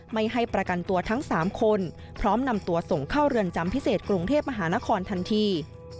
ไม่ให้ประกันตัวทั้ง๓คนพร้อมนำตัวส่งเข้าเรือนจำพิเศษกรุงเทพมหานครทันที